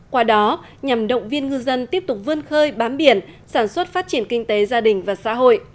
qua đó nhằm động viên ngư dân tiếp tục vươn khơi bám biển sản xuất phát triển kinh tế gia đình và xã hội